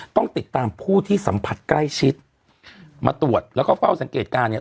ต้องติดตามผู้ที่สัมผัสใกล้ชิดมาตรวจแล้วก็เฝ้าสังเกตการณ์เนี่ย